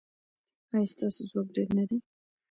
ایا ستاسو ځواک ډیر نه دی؟